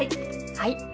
はい。